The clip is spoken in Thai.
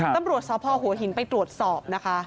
ตำรวจสพหัวหินไปตรวจสอบนะคะ